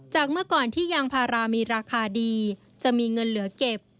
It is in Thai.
เมื่อก่อนที่ยางพารามีราคาดีจะมีเงินเหลือเก็บ